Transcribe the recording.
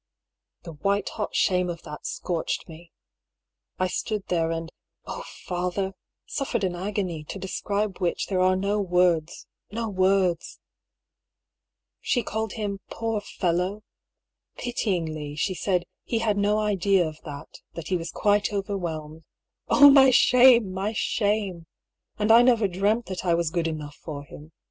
The white hot shame of that scorched me. I stood there and — oh, father !— suffered an agony, to describe which there are no words — ^no words ! She called him " poor fellow !" Pityingly, she said " he had no idea of that, that he was quite overwhelmed." Oh ! my shame, my shame ! And I never dreamt that I was good enough for him.